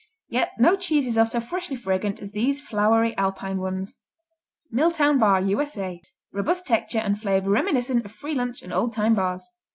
Yet no cheeses are so freshly fragrant as these flowery Alpine ones. Milltown Bar U.S.A. Robust texture and flavor reminiscent of free lunch and old time bars.